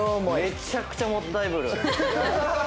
めちゃくちゃもったいぶる。